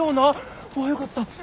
あよかった。